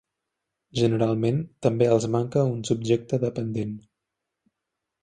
Generalment, també els manca un subjecte dependent.